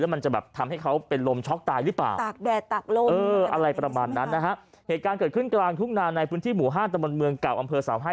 แล้วมันจะทำให้เขาเป็นลมช็อกตายหรือเปล่า